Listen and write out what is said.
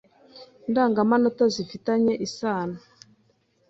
Indangamanota zifi tanye isano